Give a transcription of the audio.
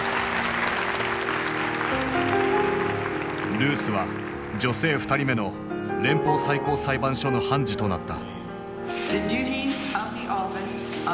ルースは女性２人目の連邦最高裁判所の判事となった。